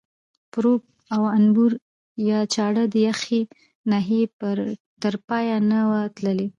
پروب او انبور یا چاړه د یخې ناحیې تر پایه نه وه تللې.